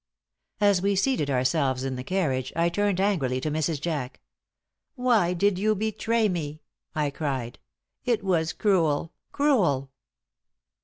As we seated ourselves in the carriage, I turned angrily to Mrs. Jack. "Why did you betray me?" I cried. "It was cruel, cruel!"